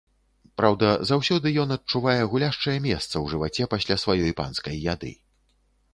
Праўда, заўсёды ён адчувае гуляшчае месца ў жываце пасля сваёй панскай яды.